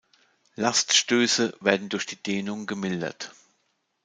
Last-Stöße werden durch die Dehnung gemildert.